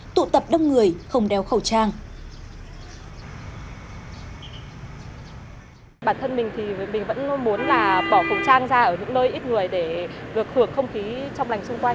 tụ tập đông người không đeo khẩu trang